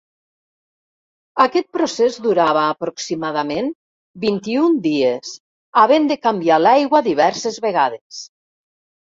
Aquest procés durava, aproximadament, vint-i-un dies, havent de canviar l'aigua diverses vegades.